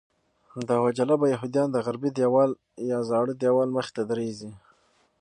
دعوه جلبه یهودیان د غربي دیوال یا ژړا دیوال مخې ته درېږي.